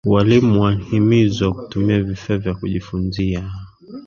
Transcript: Walimu wanhimizwa kutumia vifaya vya kujifunziya